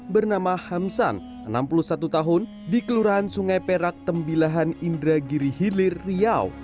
bernama hamsan enam puluh satu tahun di kelurahan sungai perak tembilahan indragiri hilir riau